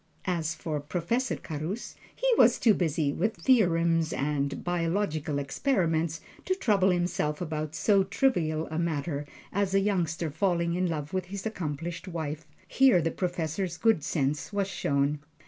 As for Professor Carus, he was too busy with his theorems and biological experiments to trouble himself about so trivial a matter as a youngster falling in love with his accomplished wife here the Professor's good sense was shown.